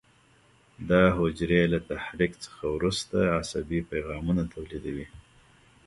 دا حجرې له تحریک څخه وروسته عصبي پیغامونه تولیدوي.